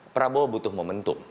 prabowo butuh momentum